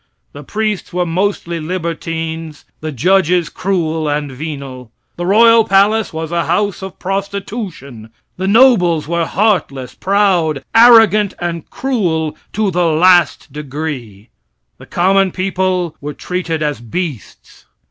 The priests were mostly libertines, the judges cruel and venal. The royal palace was a house of prostitution. The nobles were heartless, proud, arrogant and cruel to the last degree. The common people were treated as beasts.